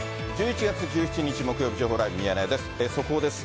１１月１７日木曜日、情報ライブミヤネ屋です。